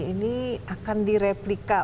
ini akan direplika